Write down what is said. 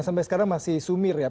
sampai sekarang masih sumir ya